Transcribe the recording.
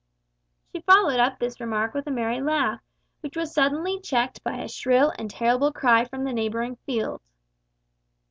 She followed up this remark with a merry laugh, which was suddenly checked by a shrill and terrible cry from the neighbouring field.